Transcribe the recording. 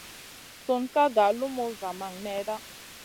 Sun ka nga lumu zamang nèda.